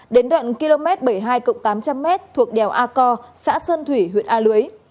đến đoạn km bảy mươi hai tám trăm linh m thuộc đèo a co xã sơn thủy huyện a lưới